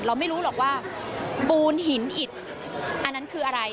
เราไม่รู้หรอกว่าปูนหินอิดอันนั้นคืออะไร